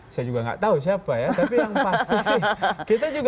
saya juga tidak tahu siapa ya tapi yang pasti sih kita juga kan kenalan